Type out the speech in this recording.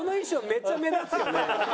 めっちゃ目立つよね。